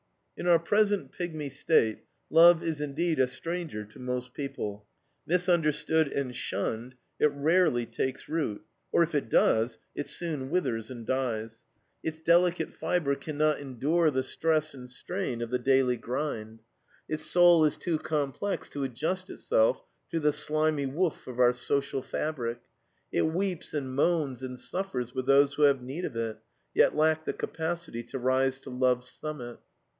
In our present pygmy state love is indeed a stranger to most people. Misunderstood and shunned, it rarely takes root; or if it does, it soon withers and dies. Its delicate fiber can not endure the stress and strain of the daily grind. Its soul is too complex to adjust itself to the slimy woof of our social fabric. It weeps and moans and suffers with those who have need of it, yet lack the capacity to rise to love's summit.